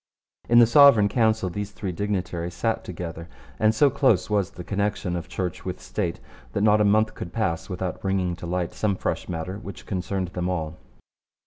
In the Sovereign Council these three dignitaries sat together, and so close was the connection of Church with State that not a month could pass without bringing to light some fresh matter which concerned them all.